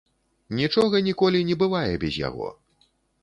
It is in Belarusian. Нічога ніколі не бывае без яго!